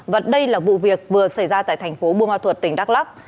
và đây là vụ việc vừa xảy ra tại thành phố bùa ma thuật tỉnh đắk lắk